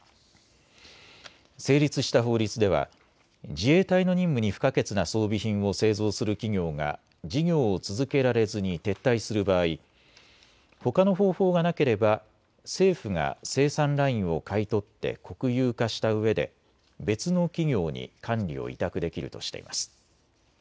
成立した法律では自衛隊の任務に不可欠な装備品を製造する企業が事業を続けられずに撤退する場合、ほかの方法がなければ政府が生産ラインを買い取って国有化したうえで別の企業に管理を委託できるとしています。